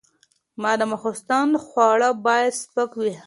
د ماخوستن خواړه باید سپک وي.